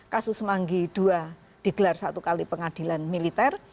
kasus semanggi ii digelar satu kali pengadilan militer